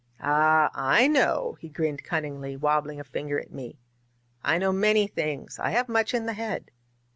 "Ah, I know," he grinned cunningly, wabbling a fin ger at me. ^^I know many things ; I have much in the head."